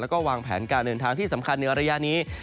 แล้วก็วางแผนการเดินทางที่สำคัญในระยะนี้